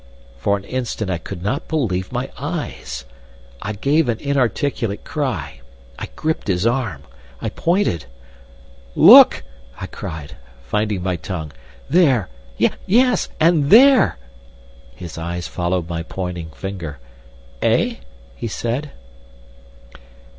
For an instant I could not believe my eyes. I gave an inarticulate cry. I gripped his arm. I pointed. "Look!" I cried, finding my tongue. "There! Yes! And there!" His eyes followed my pointing finger. "Eh?" he said.